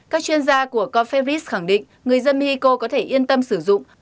các chuyên gia của confebris khẳng định người dân mexico có thể yên tâm sử dụng